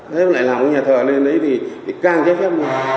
nếu lại làm cái nhà thờ lên đấy thì càng trái phép mùa